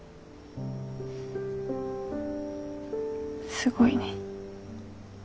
すごいね。